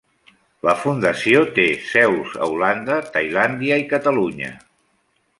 La fundació té seus a Holanda, Tailàndia i Catalunya.